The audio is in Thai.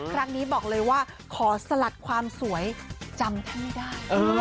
ครั้งนี้บอกเลยว่าขอสลัดความสวยจำท่านไม่ได้